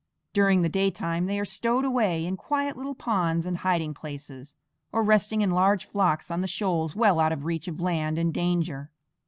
During the daytime they are stowed away in quiet little ponds and hiding places, or resting in large flocks on the shoals well out of reach of land and danger.